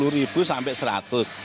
rp sembilan puluh sampai rp seratus